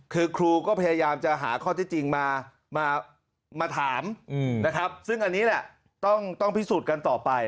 คือครูก็พยายามจะหาข้อที่จริงมาถามนะครับซึ่งอันนี้แหละต้องพิสูจน์กันต่อไป